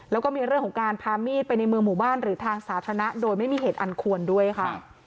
แล้วก็มีเรื่องของการพามีดไปในเมืองหมู่บ้านหรือทางสาธารณะโดยไม่มีเหตุอันควรด้วยค่ะ